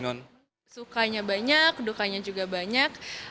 non sukanya banyak dukanya juga banyak